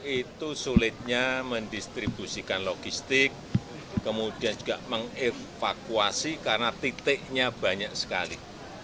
itu sulitnya mendistribusikan logistik kemudian juga mengevakuasi karena titiknya banyak sekali